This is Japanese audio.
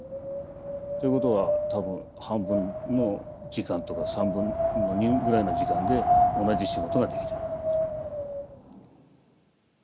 ということは多分半分の時間とか３分の２ぐらいの時間で同じ仕事ができるようになるんです。